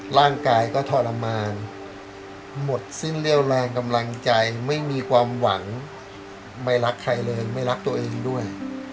ร่างกายก็ทรมานหมดสิ้นเรี่ยวแรงกำลังใจไม่มีความหวังไม่รักใครเลยไม่รักตัวเองด้วย